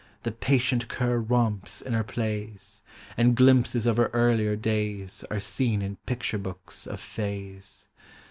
The patient cur romps in her plays. Ami glimpses of her earlier days Are seen in picture books of fa\s.